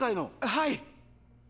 はい！